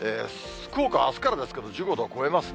福岡はあすからですけど、１５度を超えますね。